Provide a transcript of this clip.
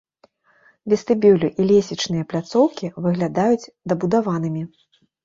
Вестыбюлі і лесвічныя пляцоўкі выглядаюць дабудаванымі.